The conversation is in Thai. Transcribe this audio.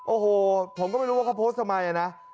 โอ้โหผมก็ไม่รู้ว่าเขาโพสต์ทำไมนะ